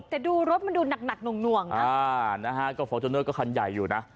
แต่ดูรถมันดูหนักหน่วงนะก็ฟอร์จูเนอร์ก็คันใหญ่อยู่นะ